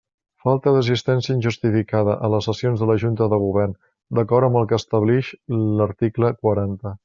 Falta d'assistència injustificada a les sessions de la Junta de Govern, d'acord amb el que establix l'article quaranta.